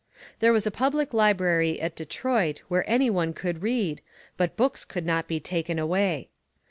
There was a public library at Detroit where any one could read, but books could not be taken away.